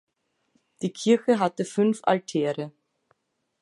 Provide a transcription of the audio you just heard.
Die Kirche hatte fünf Altäre.